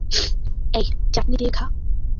এই, চাটনি দিয়ে খা।